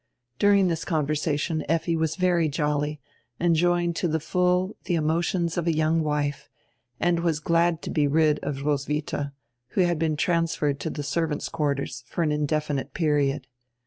During this conversation Effi was very jolly, enjoying to the full the emotions of a young wife, and was glad to be rid of Roswitha, who had been transferred to the servants' quarters for an indefinite period.